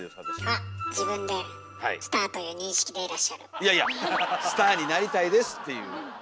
あっ自分でいやいやスターになりたいですっていう。